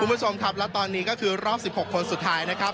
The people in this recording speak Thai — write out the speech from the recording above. คุณผู้ชมครับและตอนนี้ก็คือรอบ๑๖คนสุดท้ายนะครับ